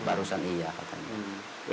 barusan iya katanya